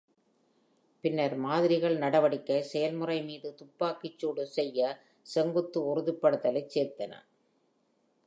பின்னர் மாதிரிகள் நடவடிக்கை செயல்முறை மீது துப்பாக்கிச் சூடு செய்ய செங்குத்து உறுதிப்படுத்தலைச் சேர்த்தன.